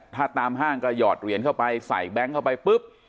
ถ้าตามห้างก็หยอดเหรียญเข้าไปใส่แบงค์เข้าไปปุ๊บ